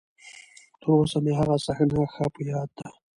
تر اوسه مې هغه صحنه ښه په ياد ده.